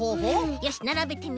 よしならべてみよう。